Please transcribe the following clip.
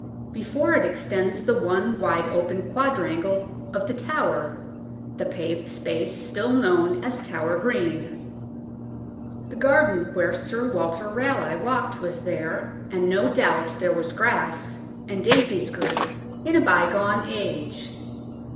Before it extends the one wide open quadrangle of The Tower, the paved space still known as Tower Green. The garden where Sir Walter Raleigh walked was there, and no doubt there was grass, and daisies grew, in a bygone age.